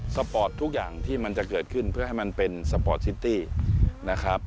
ปอร์ตทุกอย่างที่มันจะเกิดขึ้นเพื่อให้มันเป็นสปอร์ตซิตี้นะครับ